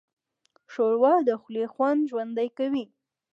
ښوروا د خولې خوند ژوندی کوي.